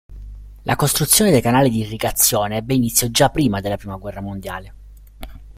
La costruzione dei canali di irrigazione ebbe inizio già prima della prima guerra mondiale.